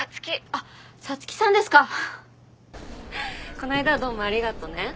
こないだはどうもありがとね。